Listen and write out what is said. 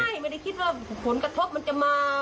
ไม่ได้คิดว่าผลกระทบมันจะมา